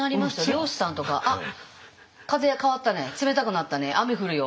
漁師さんとか「あっ風変わったね冷たくなったね雨降るよ」